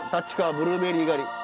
ブルーベリー狩り。